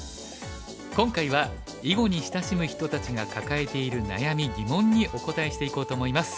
今回は囲碁に親しむ人たちが抱えている悩み疑問にお答えしていこうと思います。